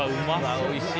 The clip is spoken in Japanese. おいしい。